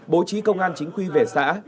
bố trí công an chính quy về xã